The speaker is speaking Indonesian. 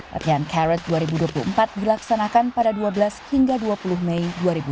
latihan carrot dua ribu dua puluh empat dilaksanakan pada dua belas hingga dua puluh mei dua ribu dua puluh